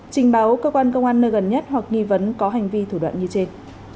trình báo cơ quan công an nơi gần nhất hoặc nghi vấn có hành vi thủ đoạn như trên